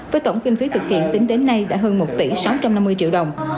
với tổng kinh phí thực hiện tính đến nay đã hơn một tỷ sáu trăm năm mươi triệu đồng